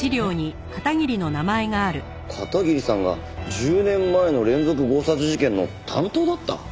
片桐さんが１０年前の連続強殺事件の担当だった？